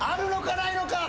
ないのか？